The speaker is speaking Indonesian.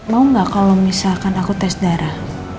mau nggak kalau misalkan aku tes darah